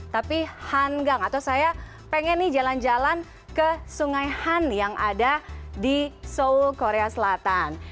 tapi hanggang atau saya pengen nih jalan jalan ke sungai han yang ada di seoul korea selatan